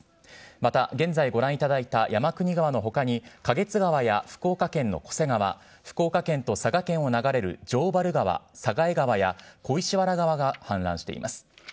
また現在ご覧いただいた山国川のほかに花月川や福岡県の巨瀬川、福岡県と佐賀県を流れる城原川、佐賀江川や小石原川が氾濫しています。